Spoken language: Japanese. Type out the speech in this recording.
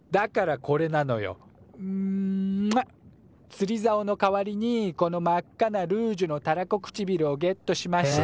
つりざおの代わりにこの真っ赤なルージュのたらこ唇をゲットしました。